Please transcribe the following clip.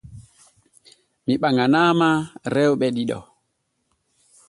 Mi ɓaŋanaama rewɓe ɗiɗo.